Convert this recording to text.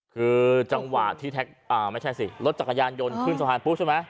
คือจังหวะที่ไม่ใช่สิรถจักรยานยนต์ขึ้นสะพานปุ๊บใช่ไหม